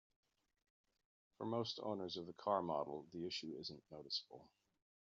For most owners of the car model, the issue isn't noticeable.